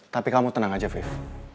tapi kamu tenang aja vive